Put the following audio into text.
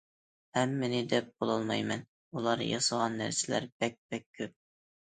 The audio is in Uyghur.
ھەممىنى دەپ بولالمايمەن، ئۇلار ياسىغان نەرسىلەر بەك- بەك كۆپ.